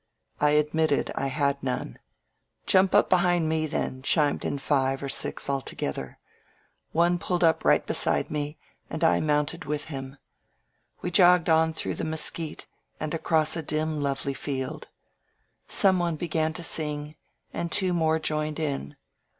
I admit ted I had none. ^^Jump up behind me then," chimed in five or six altogether. One pulled up right beside me and I mounted with him. We jogged on through the mesquite and across a dim, lovely field. Someone began to sing and two more joined in.